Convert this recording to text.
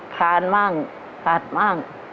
คานมากถัดมาก